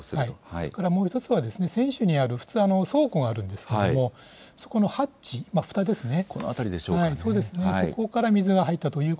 それからもう１つは、船首にある、普通、倉庫があるんですけれども、そこのハッチ、ふたですね。